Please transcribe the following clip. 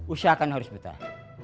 usaha akan harus betah